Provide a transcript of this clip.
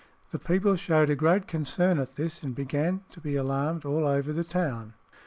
"The people showed a great concern at this, and began to be alarmed all over the town."